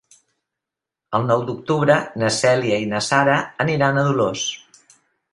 El nou d'octubre na Cèlia i na Sara aniran a Dolors.